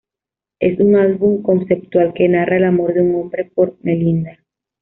Es un álbum conceptual que narra el amor de un hombre por "Melinda".